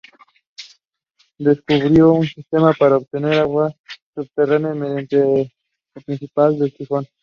Descubrió un sistema para obtener aguas subterráneas mediante el principio del sifón.